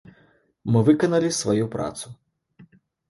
Мы выканалі сваю працу.